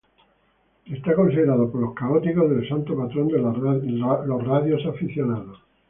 Es considerado por los católicos el santo patrón de los radio aficionados.